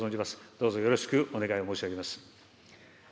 どうぞよろしくお願いを申し上げます。